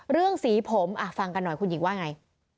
สีผมฟังกันหน่อยคุณหญิงว่าไง